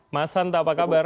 mas hanta apa kabar